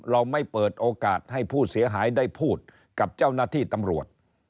เราไม่เปิดโอกาสให้ผู้เสียหายได้พูดกับเจ้าหน้าที่ตำรวจ